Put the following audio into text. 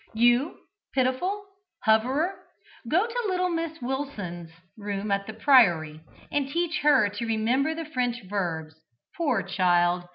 "You, Pitiful and Hoverer, go to little Miss Wilson's room at The Priory, and teach her to remember her French verbs. Poor child!